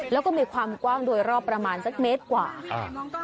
แล้วก็มีความกว้างโดยรอบประมาณสักเมตรกว่าค่ะ